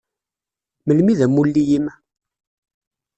Melmi i d amulli-im?